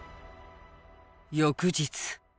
翌日。